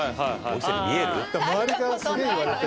って周りからすげえ言われて。